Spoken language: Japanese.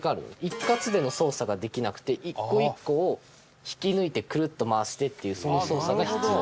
一括での操作ができなくて１個１個を引き抜いてクルッと回してっていうその操作が必要っていう。